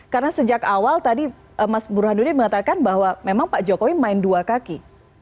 karena sejak awal tadi mas burhadudin mengatakan bahwa memang pak jokowi main dua kaki